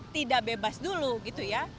tidak bebas dulu gitu ya